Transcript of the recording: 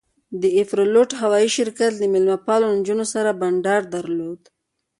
د ایروفلوټ هوایي شرکت له میلمه پالو نجونو سره بنډار درلود.